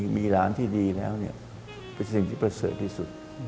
มีหลานที่ดีแล้วเป็นสิ่งที่ประเสริฐที่สุด